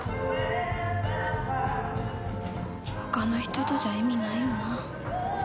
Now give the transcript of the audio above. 他の人とじゃ意味ないよな。